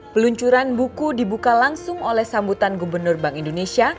peluncuran buku dibuka langsung oleh sambutan gubernur bank indonesia